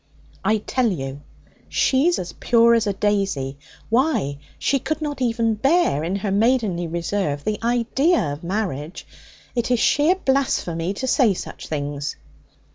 I tell you she's as pure as a daisy. Why, she could not even bear, in her maidenly reserve, the idea of marriage. It is sheer blasphemy to say such things.'